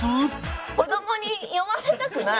子どもに読ませたくない！